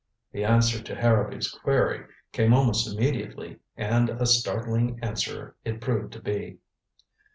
The answer to Harrowby's query came almost immediately, and a startling answer it proved to be.